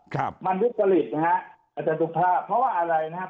ครับมันวิบประหลิตนะครับอาจารย์ทุกภาพเพราะว่าอะไรนะครับ